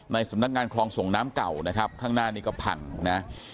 สำนักงานคลองส่งน้ำเก่านะครับข้างหน้านี้ก็พังนะ